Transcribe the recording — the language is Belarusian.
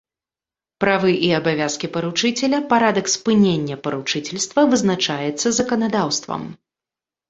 Правы і абавязкі паручыцеля, парадак спынення паручыцельства вызначаецца заканадаўствам.